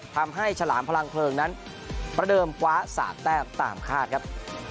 ฉลามพลังเพลิงนั้นประเดิมคว้า๓แต้มตามคาดครับ